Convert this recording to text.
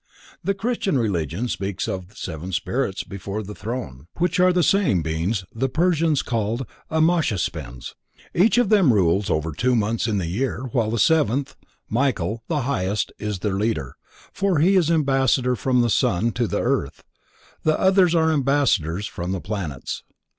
The Christian religion speaks of Seven Spirits before the Throne, which are the same beings the Persians called Ameshaspends. Each of them rules over two months in the year while the seventh: Michael, the highest, is their leader, for he is ambassador from the sun to the earth, the others are ambassadors from the planets.